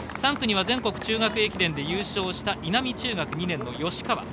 ３区には全国中学駅伝で優勝した稲美中学２年の吉川。